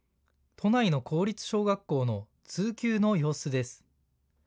都内の公立小学校の通級の様子です。